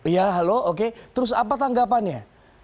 ya halo oke terus apa tanggapannya